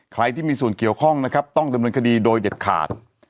ใครที่มีส่วนเกี่ยวข้องนะครับต้องดำเนินคดีโดยเด็ดขาด